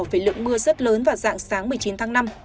với lượng mưa rất lớn vào dạng sáng một mươi chín tháng năm